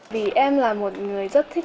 vì em là một người rất thích